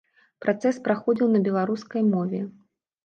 Працэс праходзіў на беларускай мове.